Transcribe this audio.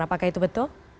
apakah itu betul